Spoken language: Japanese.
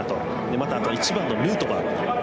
また、あとは１番のヌートバー。